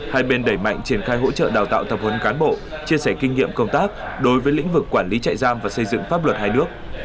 hai bên đẩy mạnh triển khai hỗ trợ đào tạo tập huấn cán bộ chia sẻ kinh nghiệm công tác đối với lĩnh vực quản lý trại giam và xây dựng pháp luật hai nước